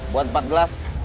buat empat gelas